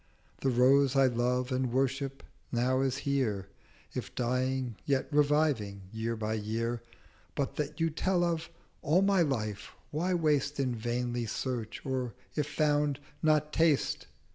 The Rose I love and worship now is here; If dying, yet reviving, Year by Year; But that you tell of, all my Life why waste In vainly searching; or, if found, not taste?'